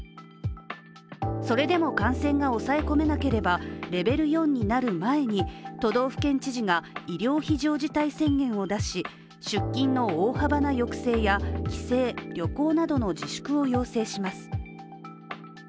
それでも感染が押さえ込めなければ都道府県知事が医療非常事態宣言を出し出勤の大幅な抑制や帰省・旅行などの自粛を要請します。